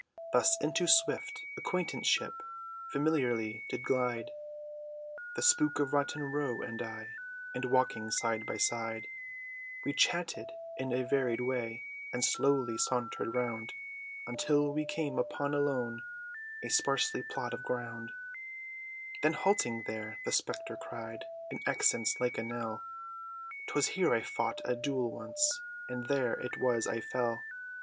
Thus into swift acquaintanship, Familiarly did glide, The spook of Rotten Row, and I, And walking side by side, We chatted in a varied way, And slowly sauntered round, Until we came upon a lone, And sparsy plot of ground, Then halting there, the spectre cried, In accents like a knell, "T'was here I fought a duel once, And there it was I fell!